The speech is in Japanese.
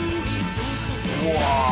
うわ。